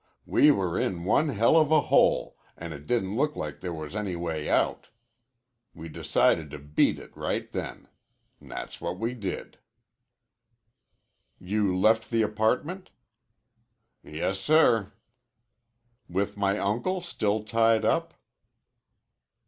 We were in one hell of a hole, an' it didn't look like there was any way out. We decided to beat it right then. That's what we did." "You left the apartment?" "Yes, sir." "With my uncle still tied up?"